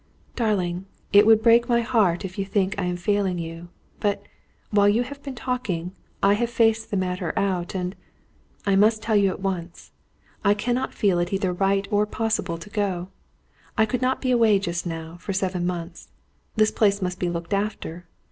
"Darling, it will break my heart if you think I am failing you. But, while you have been talking, I have faced the matter out, and I must tell you at once I cannot feel it either right or possible to go. I could not be away just now, for seven months. This place must be looked after.